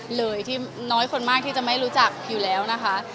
เลยที่น้อยคนมากที่จะไม่รู้จักอยู่แล้วนะคะ